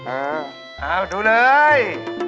เอ้าดูเลย